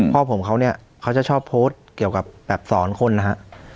พ่อผมเขาเนี่ยเขาจะชอบโพสต์เกี่ยวกับแบบสอนคนนะฮะ